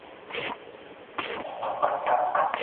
هغه مټي چي حساب یې وي پر کړی